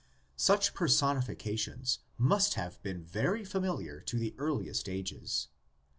Such personifications must have been very familiar to the earliest ages.